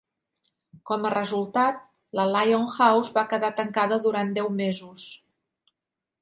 Com a resultat, la Lion House va quedar tancada durant deu mesos.